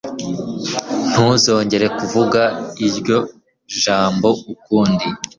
Ntuzongere kuvuga iryo jambo ukundi.